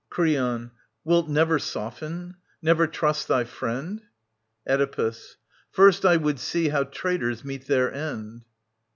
Creon. Wilt never soften, never trust thy friend ? Oedipus. First I would see how traitors meet their end.